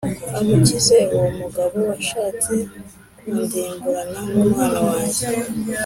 amukize uwo mugabo washatse kundimburana n’umwana wanjye